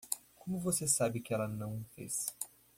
Como você sabe que ela não fez?